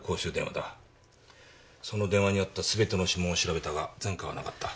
その電話にあった全ての指紋を調べたが前科はなかった。